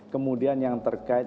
kemudian yang terkait